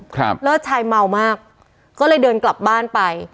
เลิศชายเมามากก็เลยเดินกลับบ้านไป